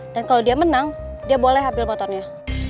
dan kalau dia menang dia boleh ambil motornya